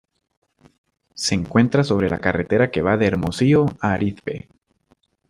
Se encuentra sobre la carretera que va de Hermosillo a Arizpe.